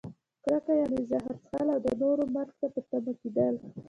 کرکه؛ یعنې زهر څښل او د نورو مرګ ته په تمه کیدل.